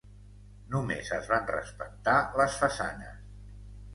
Només es van respectar les façanes.